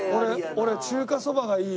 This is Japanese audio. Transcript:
俺中華そばがいい。